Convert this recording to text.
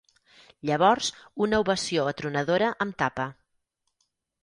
Llavors una ovació atronadora em tapa.